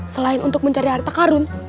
selain untuk mencari harta karun